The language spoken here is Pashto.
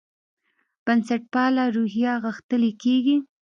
بنسټپاله روحیه غښتلې کېږي.